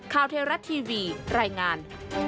ข่าวเทวรัฐทีวีรายงาน